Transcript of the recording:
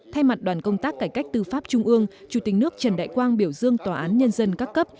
thay mặt đoàn công tác cải cách tư pháp trung ương chủ tịch nước trần đại quang biểu dương tòa án nhân dân các cấp